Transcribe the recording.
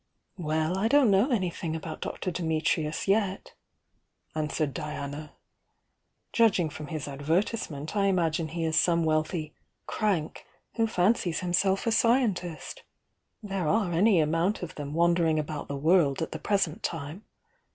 "Well, I don't know anything about Dr. Dimitrius yet," answered Diana. "Judging from his advertise ment I imagine he is some wealthy 'crank' who fan cies himself a scientist. There are any amount of them wandering about the world at the present time.